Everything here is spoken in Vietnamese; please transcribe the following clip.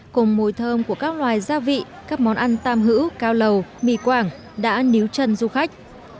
cùng mùi thơm của các loài gia vị các món ăn tam hữu cao lầu mì quảng đã níu chân du khách